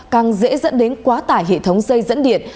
càng dễ dẫn đến quá tải hệ thống dây dẫn điện